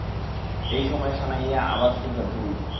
এই সময়ে সানাইয়ে আবার সুর ধরিল।